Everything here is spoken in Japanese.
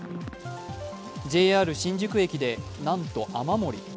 ＪＲ新宿駅でなんと雨漏り。